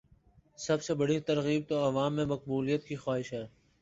سب سے بڑی ترغیب تو عوام میں مقبولیت کی خواہش ہے۔